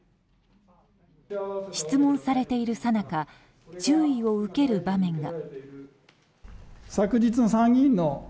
質問されているさなか注意を受ける場面が。